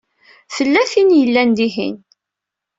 Tella tin i yellan dihin.